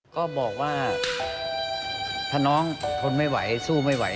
ก็บอกว่าถ้าน้องทนไม่ไหวสู้ไม่ไหว